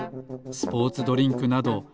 スポーツドリンクなど。